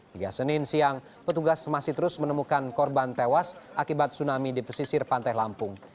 hingga senin siang petugas masih terus menemukan korban tewas akibat tsunami di pesisir pantai lampung